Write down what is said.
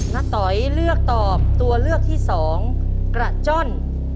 นักต่อยเลือกตอบตัวเลือกที่๒กระจ่อน